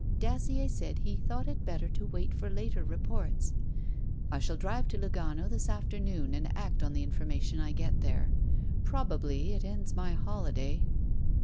Dacier said he had thought it better to wait for later reports. 'I shall drive to Lugano this afternoon, and act on the information I get there. Probably it ends my holiday.'